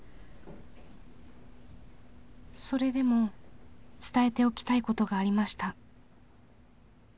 それでも伝えておきたい事がありました。